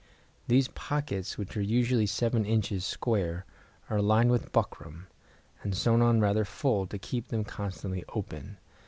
These pockets, which are usually 7 in. square, are lined with buckram, and sewn on rather full, to keep them constantly open.